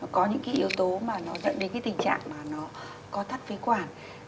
có những yếu tố dẫn đến tình trạng co thắt phế quản